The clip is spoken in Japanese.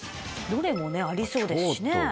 どれもありそうですしね。